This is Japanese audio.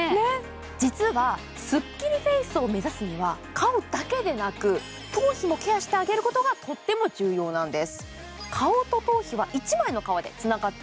実はすっきりフェイスを目指すには、顔だけでなく頭皮もケアしてあげることがとっても重要なんです。